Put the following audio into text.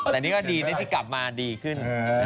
แต่นี่ก็ดีนะที่กลับมาดีขึ้น